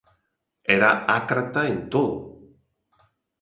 Era ácrata en todo.